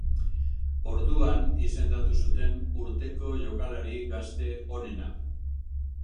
Orduan izendatu zuten Urteko Jokalari Gazte Onena.